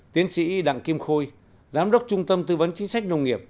tiến sĩ đặng kim khôi giám đốc trung tâm tư vấn chính sách nông nghiệp